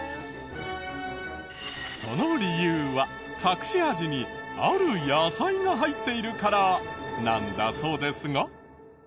その理由は隠し味にある野菜が入っているからなんだそうですが。